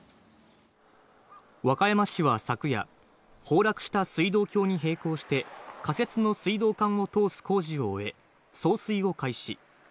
和歌山市は昨夜、崩落した水道橋に並行して仮設の水道管を通す工事を終え、送水を開始。